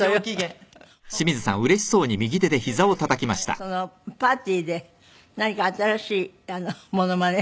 そのパーティーで何か新しいモノマネ。